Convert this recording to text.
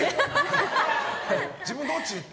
自分、どっち？って。